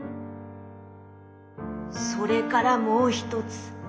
「それからもうひとつ。